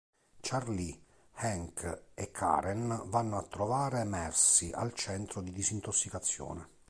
Charlie, Hank e Karen vanno a trovare Marcy al centro di disintossicazione.